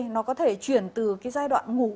để chuyển từ giai đoạn ngủ